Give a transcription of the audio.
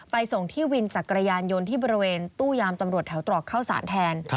ส่งที่วินจักรยานยนต์ที่บริเวณตู้ยามตำรวจแถวตรอกเข้าสารแทน